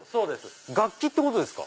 楽器ってことですか？